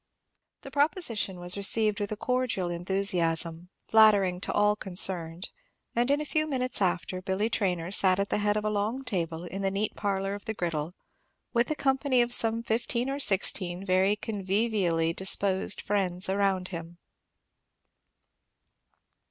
The proposition was received with a cordial enthusiasm, flattering to all concerned; and in a few minutes after, Billy Traynor sat at the head of a long table in the neat parlor of "The Griddle," with a company of some fifteen or sixteen very convivially disposed friends around him.